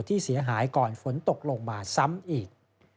ที่เสียหายก่อนฝนตกลงมาซ้ำอีก